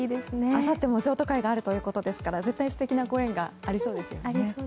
あさっても譲渡会があるということですから絶対、素敵なご縁がありそうですね。